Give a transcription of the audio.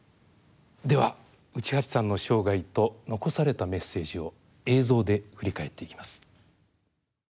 では内橋さんの生涯と残されたメッセージを映像で振り返っていきます。